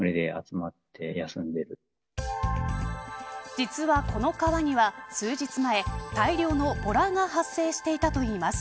実は、この川には数日前大量のボラが発生していたといいます。